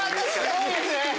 すごいですね！